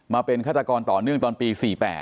มาเป็นฆาตกรต่อเนื่องตอนปี๔๘